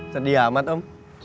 sedih amat om